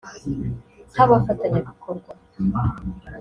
nk’abafatanyabikorwa